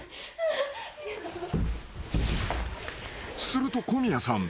［すると小宮さん。